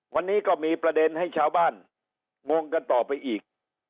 วันนี้ก็มีประเด็นให้ชาวบ้านงงกันต่อไปอีก